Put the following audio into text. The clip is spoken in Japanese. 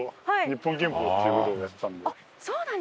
はい。